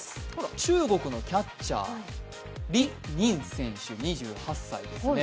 中国のキャッチャー、リ・ニン選手２８歳ですね。